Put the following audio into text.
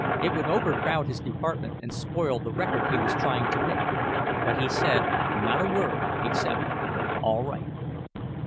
It would overcrowd his department and spoil the record he was trying to make—but he said not a word except "All right."